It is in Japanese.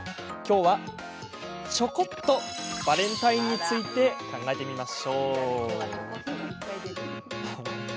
きょうはチョコっとバレンタインについて考えてみましょう。